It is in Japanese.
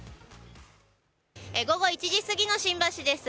午後１時過ぎの新橋です。